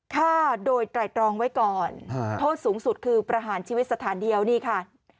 ฆ่าโดยไตรตรองไว้ก่อนโทษสูงสุดคือประหารชีวิตสถานเดียวนี่ค่ะ